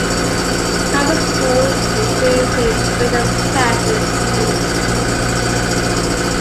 Private schools include Saint Brendan's Catholic School.